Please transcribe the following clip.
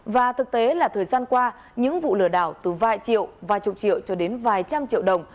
và thực tế là thời gian qua những vụ lừa đảo từ vài triệu vài chục triệu cho đến vài trăm triệu đồng